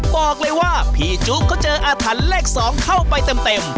บอกเลยว่าพี่จุก็เจออาถรรพ์เลข๒เข้าไปเต็ม